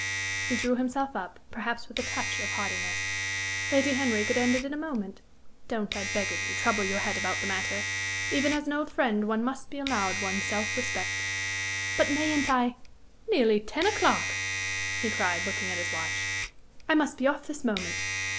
He drew himself up, perhaps with a touch of haughtiness. "Lady Henry could end it in a moment. Don't, I beg of you, trouble your head about the matter. Even as an old friend, one must be allowed one's self respect." "But mayn't I " "Nearly ten o'clock!" he cried, looking at his watch. "I must be off this moment.